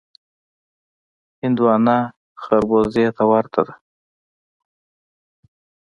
هندوانه خړبوزه ته ورته وي.